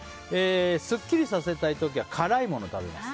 スッキリさせたい時は辛いものを食べます。